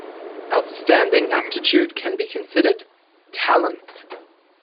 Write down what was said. Outstanding aptitude can be considered "talent".